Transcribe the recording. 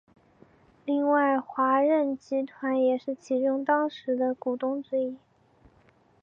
另外华润集团也是其中当时股东之一。